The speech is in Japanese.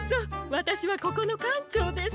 わたしはここのかんちょうです。